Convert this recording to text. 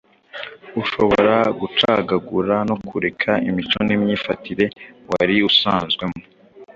ushobora gucagagura no kureka imico n’imyifatire wari usanzwemo